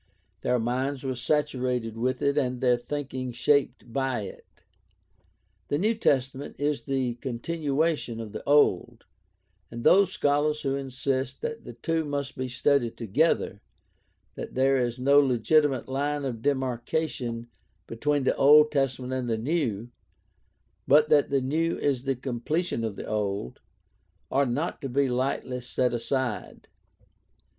Their minds were saturated with it and their thinking shaped by it. The New Testament is the continuation of the Old, and those scholars who insist that the two must be studied together, that there is no legitimate line of demarkation between the Old Testa ment and the New, but that the New is the completion of the Old, are not to be lightly set aside.